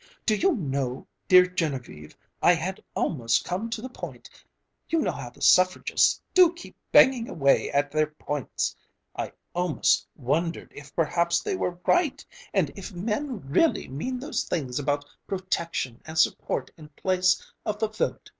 Do you know, dear Genevieve, I had almost come to the point you know how the suffragists do keep banging away at their points I almost wondered if perhaps they were right and if men really mean those things about protection and support in place of the vote....